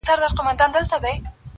د سر په غم کي ټوله دنیا ده-